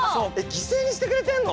犠牲にしてくれてんの？